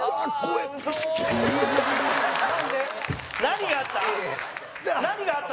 山崎：何があった？